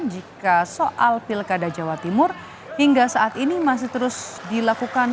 jika soal pilkada jawa timur hingga saat ini masih terus dilakukan